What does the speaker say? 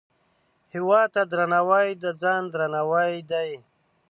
هیواد ته درناوی، د ځان درناوی دی